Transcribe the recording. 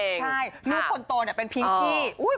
ลูกสาวสูงตัวในเหตุสิ่งเป็นปิ๊งปี้